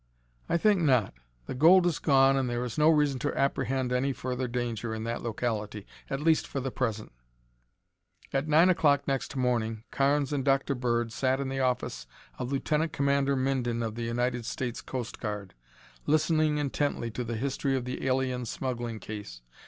"I think not. The gold is gone and there is no reason to apprehend any further danger in that locality, at least for the present." At nine o'clock next morning Carnes and Dr. Bird sat in the office of Lieutenant Commander Minden of the United States Coast Guard, listening intently to the history of the alien smuggling case.